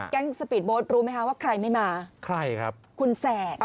แก๊งสปีดโบสต์รู้ไหมคะว่าใครไม่มาคุณแสงใครครับ